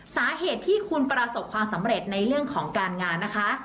สาเหตุที่คุณประสบความสำเร็จในเรื่องของการงานนะคะ